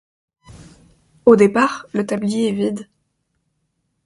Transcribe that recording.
Au départ, le tablier est vide.